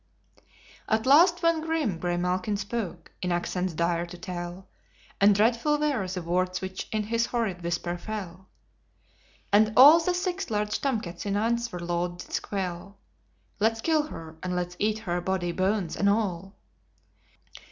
"At last one grim graymalkin spoke, in accents dire to tell, And dreadful were the words which in his horrid whisper fell: And all the six large tom cats in answer loud did squall, 'Let's kill her, and let's eat her, body, bones, and all.'